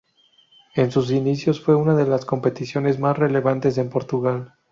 En sus inicios fue una de las competiciones más relevantes en Portugal.